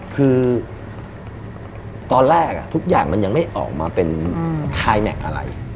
คือตอนแรกทุกอย่างมันยังไม่ออกมาเป็นคายแม็กซ์อะไร